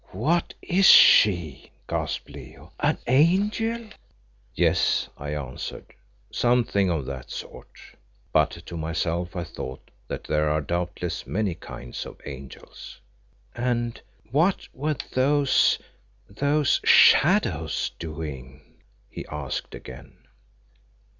"What is she?" gasped Leo. "An angel?" "Yes," I answered, "something of that sort." But to myself I thought that there are doubtless many kinds of angels. "And what were those those shadows doing?" he asked again.